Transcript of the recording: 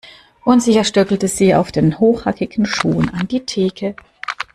Unsicher stöckelte sie auf den hochhackigen Schuhen an die Theke.